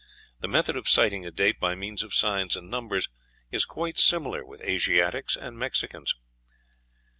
The method of citing a date by means of signs and numbers is quite similar with Asiatics and Mexicans.